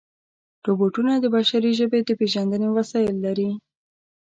روبوټونه د بشري ژبې د پېژندنې وسایل لري.